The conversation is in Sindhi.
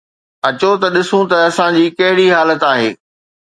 اچو ته ڏسون ته اسان جي ڪهڙي حالت آهي.